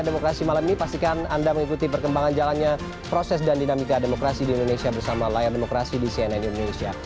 dan demokrasi malam ini pastikan anda mengikuti perkembangan jalannya proses dan dinamika demokrasi di indonesia bersama layar demokrasi di cnn indonesia